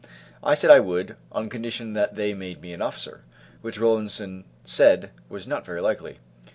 I said I would, on condition that they made me an officer, which Rollinson said was not very likely.